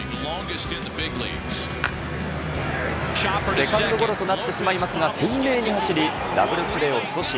セカンドゴロとなってしまいますが、懸命に走り、ダブルプレーを阻止。